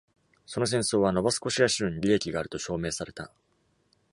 その戦争は、ノバスコシア州に利益があると証明された。